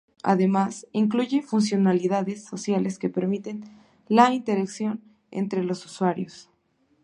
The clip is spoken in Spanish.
Además, incluye funcionalidades sociales que permiten la interacción entre los usuarios.